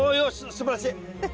すばらしい。